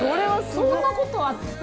そんなことあったの？